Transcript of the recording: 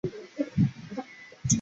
殿试登进士第二甲第七十五名。